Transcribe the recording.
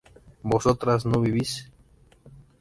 ¿vosotras no vivís?